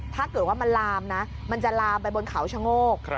ถ้าเกิดว่ามันลามนะมันจะลามไปบนเขาชะโงก